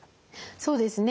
そうですね。